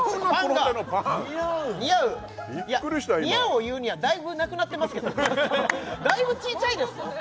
ビックリした「似合う」を言うにはだいぶなくなってますけどだいぶ小ちゃいですよ